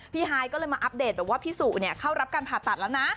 พี่ฮายก็เลยมาอัปเดตว่าพี่สูเนี่ยเข้ารับการผ่าตัดแล้วนะ